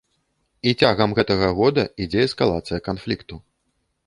І цягам гэтага года ідзе эскалацыя канфлікту.